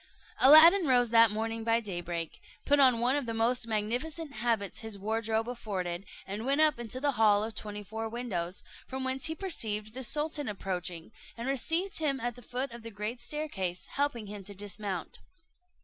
Aladdin rose that morning by daybreak, put on one of the most magnificent habits his wardrobe afforded, and went up into the hall of twenty four windows, from whence he perceived the sultan approaching, and received him at the foot of the great staircase, helping him to dismount.